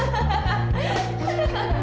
tiara juga kak